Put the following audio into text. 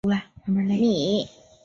米埃朗。